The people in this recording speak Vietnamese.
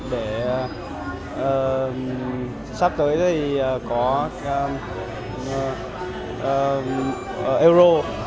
để sắp tới có euro cup